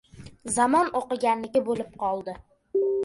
Zamon o‘qiganniki bo‘lib qoldi.